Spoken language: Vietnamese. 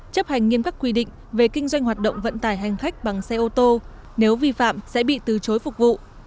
chấp hành nghiêm các quy định về kinh doanh hoạt động vận tải hành khách bằng xe ô tô nếu vi phạm sẽ bị từ chối phục vụ